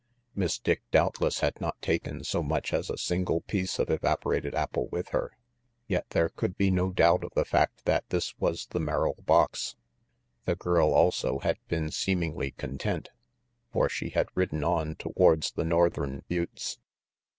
Miss Dick doubtless had not taken so much as a single piece of evaporated apple with her; yet there could be no doubt of the fact that this was the Merrill box. The girl also had been seemingly content, for she had ridden on towards the northern buttes.